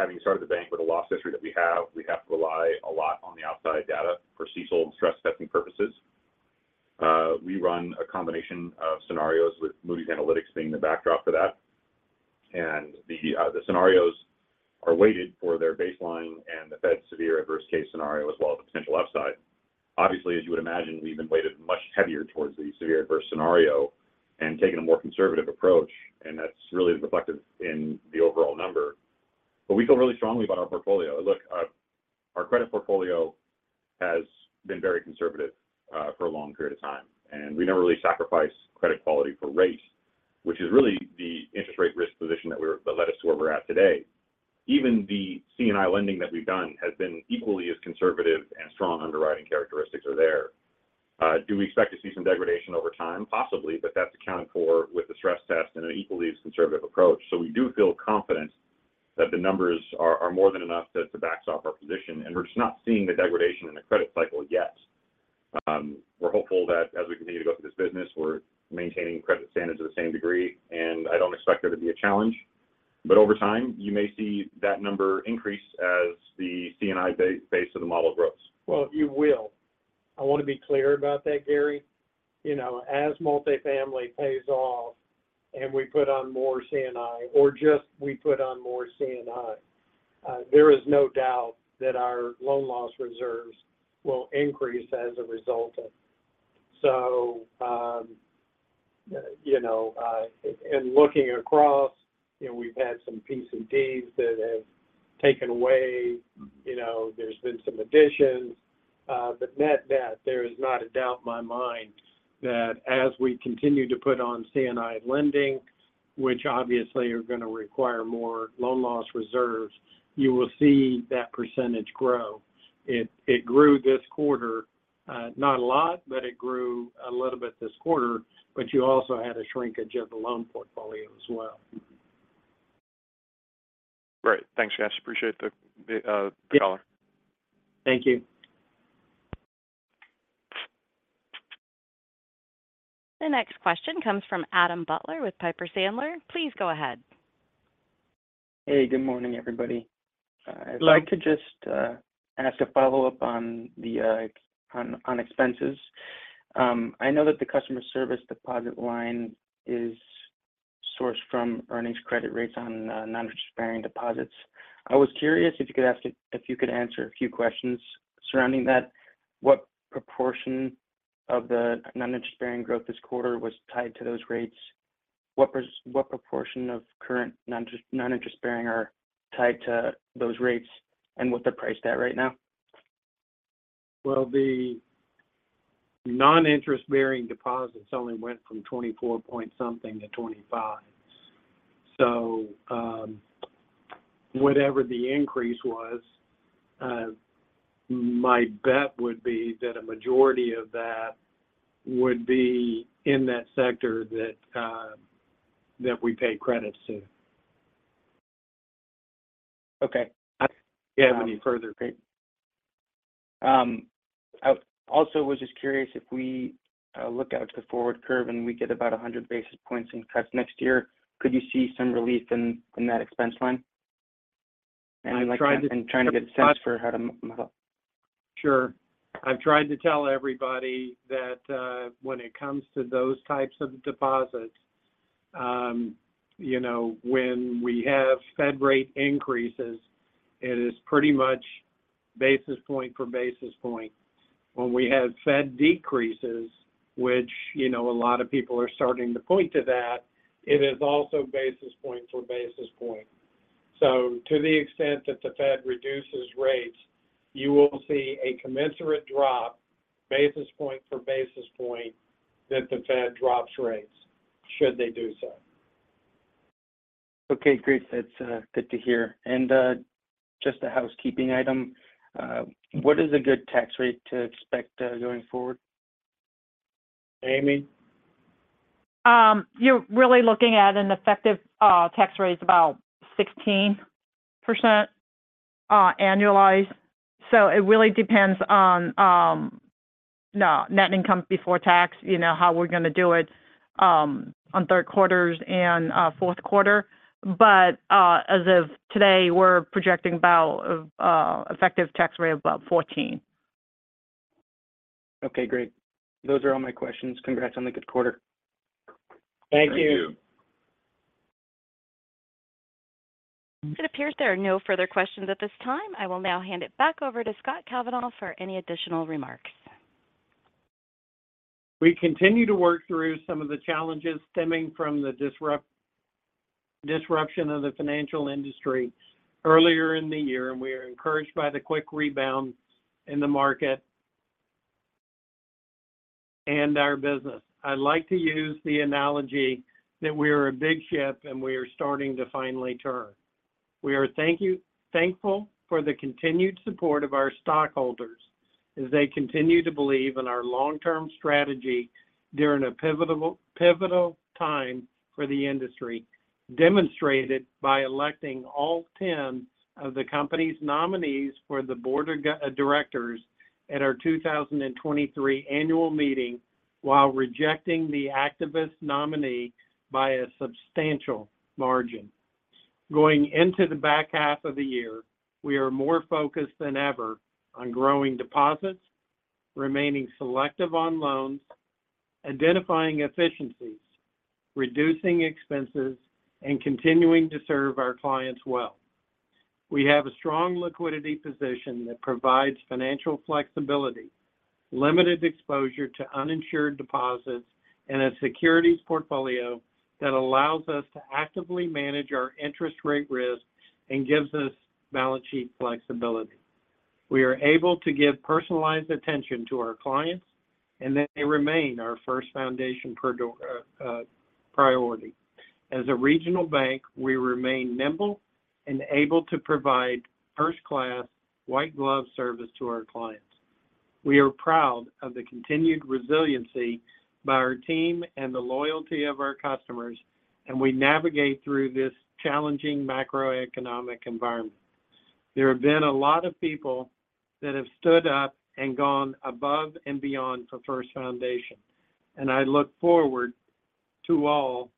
having started the bank with a loss history that we have, we have to rely a lot on the outside data for CECL and stress testing purposes. We run a combination of scenarios with Moody's Analytics being the backdrop for that. The scenarios are weighted for their baseline and the Fed's severe adverse case scenario, as well as the potential upside. Obviously, as you would imagine, we've been weighted much heavier towards the severe adverse scenario and taken a more conservative approach, and that's really reflected in the overall number. We feel really strongly about our portfolio. Look, our credit portfolio has been very conservative for a long period of time, and we never really sacrifice credit quality for rate, which is really the interest rate risk position that led us to where we're at today. Even the C&I lending that we've done has been equally as conservative and strong underwriting characteristics are there. Do we expect to see some degradation over time? Possibly, but that's accounted for with the stress test and an equally as conservative approach. We do feel confident that the numbers are more than enough to backstop our position, and we're just not seeing the degradation in the credit cycle yet. We're hopeful that as we continue to go through this business, we're maintaining credit standards to the same degree, and I don't expect there to be a challenge. Over time, you may see that number increase as the C&I base of the model grows. You will. I want to be clear about that, Gary. you know, as multifamily pays off and we put on more C&I or just we put on more C&I, there is no doubt that our loan loss reserves will increase as a result of it. yeah, you know, looking across, you know, we've had some piece of deeds that have taken away, you know, there's been some additions, net, net, there is not a doubt in my mind that as we continue to put on C&I lending, which obviously are going to require more loan loss reserves, you will see that percentage grow. It grew this quarter, not a lot, it grew a little bit this quarter, you also had a shrinkage of the loan portfolio as well. Great. Thanks, guys. Appreciate the call. Thank you. The next question comes from Adam Butler with Piper Sandler. Please go ahead. Hey, good morning, everybody. Hello. If I could just ask a follow-up on the on expenses. I know that the customer service deposit line is sourced from earnings credit rates on non-interest-bearing deposits. I was curious if you could answer a few questions surrounding that. What proportion of the non-interest-bearing growth this quarter was tied to those rates? What proportion of current non-interest, non-interest-bearing are tied to those rates, and what's the price at right now? The non-interest-bearing deposits only went from 24 point something% to 25%. Whatever the increase was, my bet would be that a majority of that would be in that sector that we pay credit to. Okay. Do you have any further...? I also was just curious if we look out to the forward curve, and we get about 100 bps in cuts next year, could you see some relief in that expense line? I've tried. Trying to get a sense for how to model. Sure. I've tried to tell everybody that, when it comes to those types of deposits, you know, when we have Fed rate increases, it is pretty much basis point per basis point. When we have Fed decreases, which, you know, a lot of people are starting to point to that, it is also basis point for basis point. To the extent that the Fed reduces rates, you will see a commensurate drop, basis point for basis point, that the Fed drops rates should they do so. Okay, great. That's good to hear. Just a housekeeping item, what is a good tax rate to expect going forward? Amy? You're really looking at an effective tax rate of about 16% annualized. It really depends on net income before tax, you know, how we're going to do it on third quarters and fourth quarter. As of today, we're projecting about an effective tax rate of about 14. Okay, great. Those are all my questions. Congrats on the good quarter. Thank you. Thank you. It appears there are no further questions at this time. I will now hand it back over to Scott Kavanaugh for any additional remarks. We continue to work through some of the challenges stemming from the disruption of the financial industry earlier in the year, and we are encouraged by the quick rebound in the market and our business. I'd like to use the analogy that we are a big ship, and we are starting to finally turn. We are thankful for the continued support of our stockholders as they continue to believe in our long-term strategy during a pivotal time for the industry, demonstrated by electing all ten of the company's nominees for the board of directors at our 2023 annual meeting, while rejecting the activist nominee by a substantial margin. Going into the back half of the year, we are more focused than ever on growing deposits, remaining selective on loans, identifying efficiencies, reducing expenses, and continuing to serve our clients well. We have a strong liquidity position that provides financial flexibility, limited exposure to uninsured deposits, and a securities portfolio that allows us to actively manage our interest rate risk and gives us balance sheet flexibility. We are able to give personalized attention to our clients, and they remain our First Foundation priority. As a regional bank, we remain nimble and able to provide first-class, white-glove service to our clients. We are proud of the continued resiliency by our team and the loyalty of our customers, and we navigate through this challenging macroeconomic environment. There have been a lot of people that have stood up and gone above and beyond for First Foundation, and I look forward to all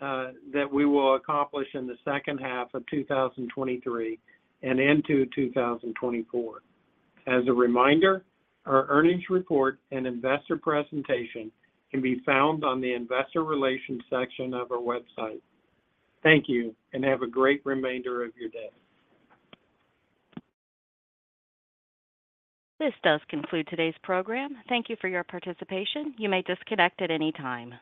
that we will accomplish in the second half of 2023 and into 2024. As a reminder, our earnings report and investor presentation can be found on the Investor Relations section of our website. Thank you, and have a great remainder of your day. This does conclude today's program. Thank you for your participation. You may disconnect at any time.